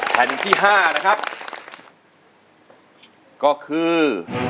แผ่นที่๕นะครับก็คือ